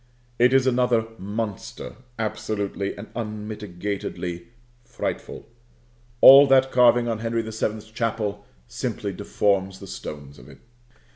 It is another monster, absolutely and unmitigatedly frightful. All that carving on Henry the Seventh's Chapel simply deforms the stones of it.